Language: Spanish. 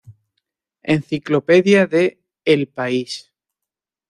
Enciclopedia de El País.